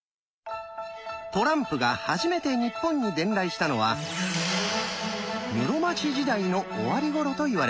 トランプが初めて日本に伝来したのは室町時代の終わり頃といわれています。